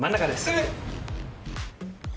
えっ！